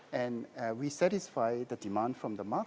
dan kami memuaskan kebutuhan dari pasar